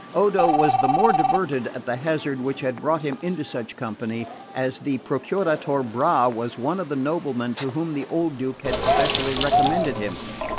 Odo was the more diverted at the hazard which had brought him into such company, as the Procuratore Bra was one of the noblemen to whom the old Duke had specially recommended him.